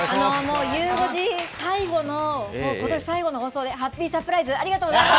ゆう５時最後の、ことし最後の放送で、ハッピーサプライズ、ありがとうございます。